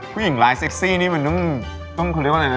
ผู้หญิงร้ายเซ็กซี่นี่มันต้องต้องคือเรียกว่าไหนนะ